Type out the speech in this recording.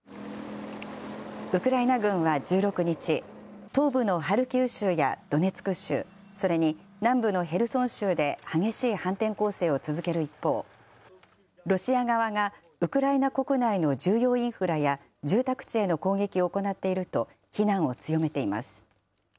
ウクライナ軍は１６日、東部のハルキウ州やドネツク州、それに南部のヘルソン州で激しい反転攻勢を続ける一方、ロシア側がウクライナ国内の重要インフラや、住宅地への攻撃を行っていると、非難を強めています。